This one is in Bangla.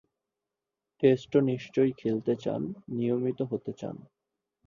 টেস্টও নিশ্চয়ই খেলতে চান, নিয়মিত হতে চান?